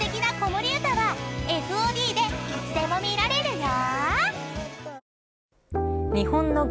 ［ＦＯＤでいつでも見られるよ］